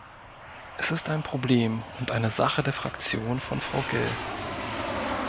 Es ist ein Problem und eine Sache der Fraktion von Frau Gill.